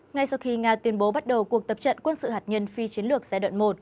ngay sau khi nga tuyên bố bắt đầu cuộc tập trận quân sự hạt nhân phi chiến lược giai đoạn một